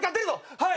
はい。